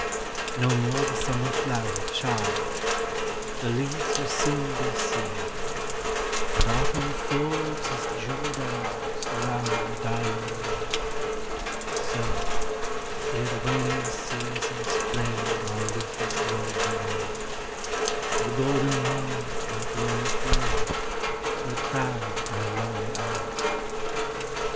No more the summer floweret charms, The leaves will soon be sere, And Autumn folds his jewelled arms Around the dying year; So, ere the waning seasons claim Our leafless groves awhile, With golden wine and glowing flame We 'll crown our lonely isle.